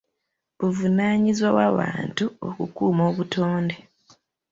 Buvunaanyizibwa bw'abantu okukuuma obutonde.